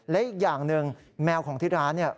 และอีกอย่างหนึ่งแมวของที่ร้านเนี่ย